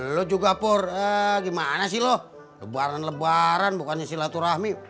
lo juga pur gimana sih lo lebaran lebaran bukannya silaturahmi